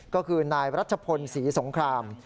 ก็คือนายรัชพลศรีสงคราม